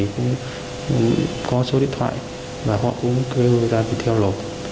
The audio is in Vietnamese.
cũng có số điện thoại và họ cũng kêu người ta phải theo lột